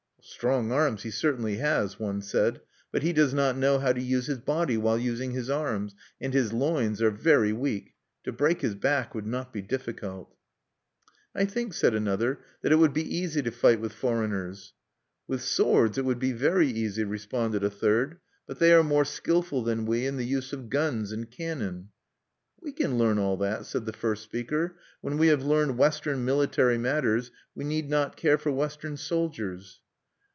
"Strong arms he certainly has," one said. "But he does not know how to use his body while using his arms; and his loins are very weak. To break his back would not be difficult." "I think," said another, "that it would be easy to fight with foreigners." "With swords it would be very easy," responded a third; "but they are more skilful than we in the use of guns and cannon." "We can learn all that," said the first speaker. "When we have learned Western military matters, we need not care for Western soldiers."